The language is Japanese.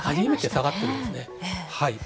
初めて下がってるんですね。